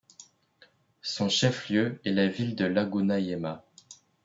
Son chef-lieu est la ville de Laguna Yema.